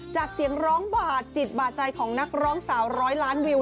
เสียงร้องบาดจิตบาดใจของนักร้องสาวร้อยล้านวิว